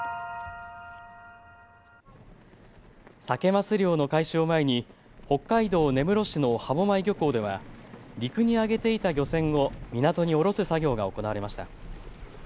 サケ・マス漁の開始を前に北海道根室市の歯舞漁港では陸に上げていた漁船を港におろす作業が行われました。